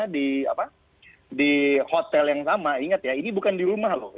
di hotel yang sama ingat ya ini bukan di rumah loh